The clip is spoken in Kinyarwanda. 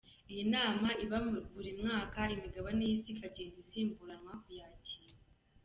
Iyi nama iba buri mwaka, imigabane y’isi ikagenda isimburanwa kuyakira.